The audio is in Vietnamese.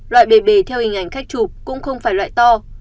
loại bề theo hình ảnh khách chụp cũng không phải loại to